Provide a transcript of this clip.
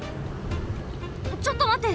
ちょっとまって！